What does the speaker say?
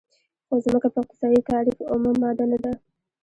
خو ځمکه په اقتصادي تعریف اومه ماده نه ده.